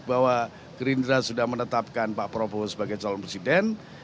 bahwa gerindra sudah menetapkan pak prabowo sebagai calon presiden